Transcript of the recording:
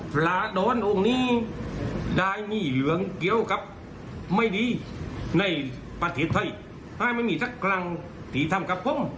ผมเกี่ยวกับไม่ดีในประเทศไทยไม่มีสักครั้งที่ทำกับผม